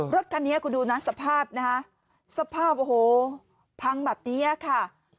รถคันนี้คุณดูนะสภาพนะฮะสภาพโอ้โหพังแบบนี้ค่ะ